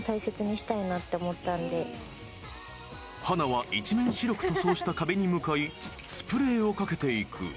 ［華は一面白く塗装した壁に向かいスプレーをかけていく］